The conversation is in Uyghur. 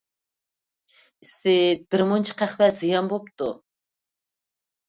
ئىسىت، بىر مۇنچە قەھۋە زىيان بوپتۇ.